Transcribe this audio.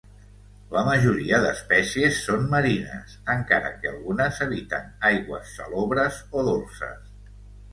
La majoria d'espècies són marines, encara que algunes habiten aigües salobres o dolces.